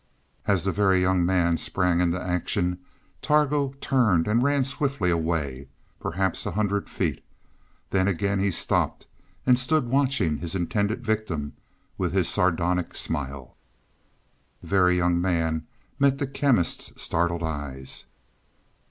As the Very Young Man sprang into action Targo turned and ran swiftly away, perhaps a hundred feet; then again he stopped and stood watching his intended victim with his sardonic smile. The Very Young Man met the Chemist's startled eyes.